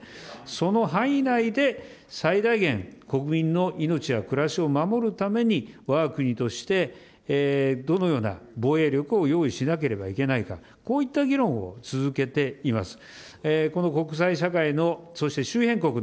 その範囲内で、最大限、国民の命や暮らしを守るために、わが国として、どのような防衛力を用意しなければいけないか、こういった議論を続けています。